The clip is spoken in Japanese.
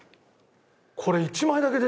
これ。